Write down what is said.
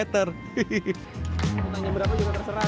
tanya berapa juga terserah ya